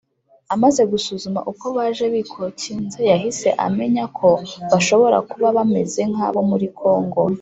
amaze gusuzuma uko baje bikokinze yahise amenyako bashobora kuba bameze nka bo muri kongo